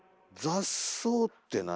雑草って何。